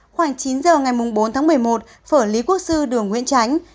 khoảng chín giờ ngày bốn tháng một mươi một phở lý quốc sư đường nguyễn tránh